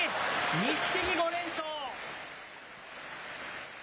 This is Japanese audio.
錦木、５連勝。